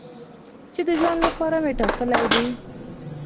چې د ژوند لپاره مې ټاکلی دی.